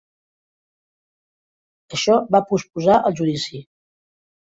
Això va posposar el judici.